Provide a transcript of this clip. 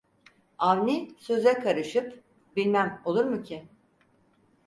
Avni söze karışıp: "Bilmem olur mu ki?"